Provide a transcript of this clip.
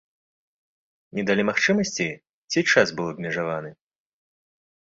Не далі магчымасці ці час быў абмежаваны?